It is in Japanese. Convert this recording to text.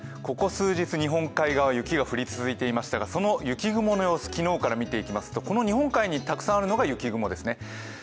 ここ数日、日本海側、雪が降り続いていましたがその雪雲の様子を昨日から見ていきますと、この日本海にたくさんあるのが雪雲ですね。